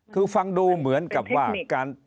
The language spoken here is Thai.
คือฟังดูเหมือนกับว่าการ